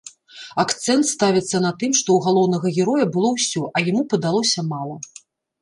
Акцэнт ставіцца на тым, што ў галоўнага героя было ўсё, а яму падалося мала.